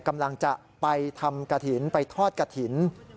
กำลังจะไปทำกระถิ่นไปทอดกระถิ่น